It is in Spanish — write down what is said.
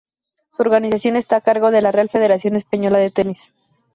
Su organización está a cargo de la Real Federación Española de Tenis.